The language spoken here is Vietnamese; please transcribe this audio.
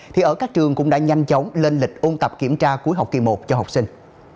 thì ở các trường cũng đã nhanh chóng lên lịch ôn tập kiểm tra cuối học kỳ một cho học sinh